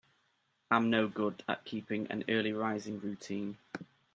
I'm no good at keeping an early rising routine.